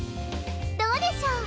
どうでしょう？